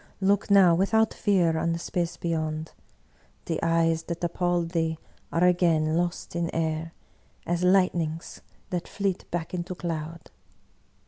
Look now without fear on the space beyond; the eyes that ap palled thee are again lost in air, as lightnings that fleet back into cloud."